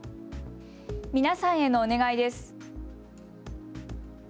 皆さんへのお願いです。